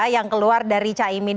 yang keluar dari caimi